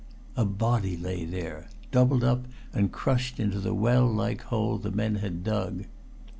A body lay there, doubled up and crushed into the well like hole the men had dug.